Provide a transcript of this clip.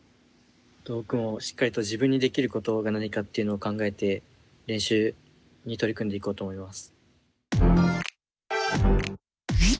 僕もしっかりと自分にできることが何かっていうのを考えて練習に取り組んでいこうと思います。